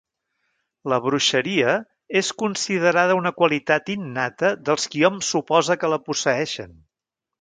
La bruixeria és considerada una qualitat innata dels qui hom suposa que la posseeixen.